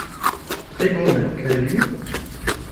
Tre bone; kaj vi?